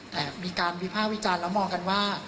แต่มีการวิภาควิจารณ์แล้วมองกันว่า